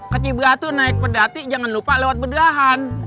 kacibra tu naik pedati jangan lupa lewat bedahan